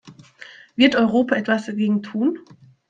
Wird Europa etwas dagegen tun?